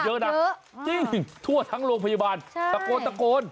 จริงทั่วทางโรงพยาบาลตะโกน